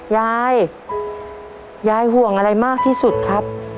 ยายยายห่วงอะไรมากที่สุดครับ